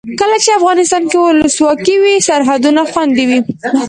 کله چې افغانستان کې ولسواکي وي سرحدونه خوندي وي.